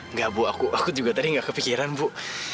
enggak bu aku juga tadi gak kepikiran bu